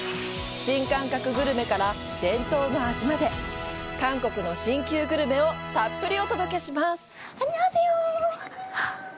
新感覚グルメから伝統の味まで、韓国の新旧グルメをたっぷりお届けします！